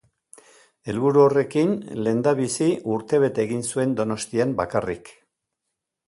Helburu horrekin, lehendabizi, urtebete egin zuen Donostian bakarrik.